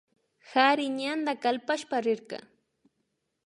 Kari ñanda kalpashpa rirka